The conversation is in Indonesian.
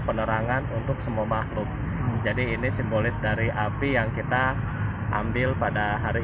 penerangan untuk semua makhluk jadi ini simbolis dari api yang kita ambil pada hari